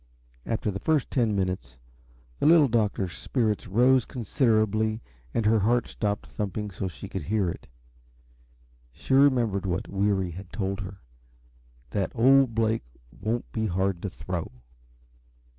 After the first ten minutes, the Little Doctor's spirits rose considerably and her heart stopped thumping so she could hear it. She remembered what Weary had told her that "Old Blake won't be hard to throw."